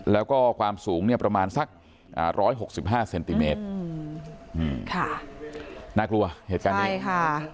แล้วก็ความสูงเนี่ยประมาณสักอ่าร้อยหกสิบห้าเซนติเมตรอืมค่ะน่ากลัวเหตุการณ์นี้ใช่ค่ะ